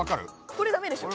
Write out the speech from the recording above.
これダメでしょ。